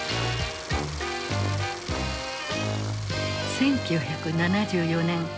１９７４年。